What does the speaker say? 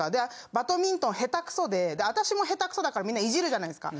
バドミントン下手くそで私も下手くそだからみんなイジるじゃないですか。